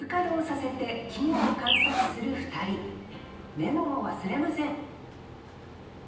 メモも忘れません！